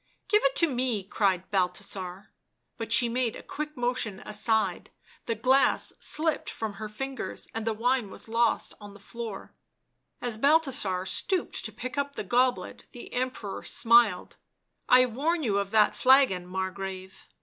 " Give it to me !" cried Balthasar. But she made a quick motion aside, the glass slipped from her fingers and the wine was lost on the floor. As Balthasar stooped to pick up the goblet, the Emperor smiled. t( I warn you of that flagon, Mar grave."